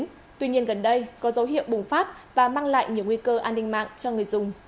cơ quan nhà nước gov vn có dấu hiệu bùng phát và mang lại nhiều nguy cơ an ninh mạng cho người dùng